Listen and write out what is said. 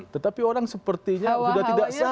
tetapi orang sepertinya sudah tidak sadar